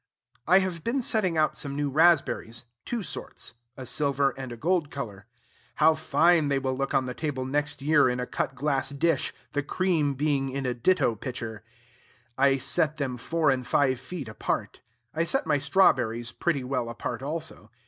I have been setting out some new raspberries, two sorts, a silver and a gold color. How fine they will look on the table next year in a cut glass dish, the cream being in a ditto pitcher! I set them four and five feet apart. I set my strawberries pretty well apart also.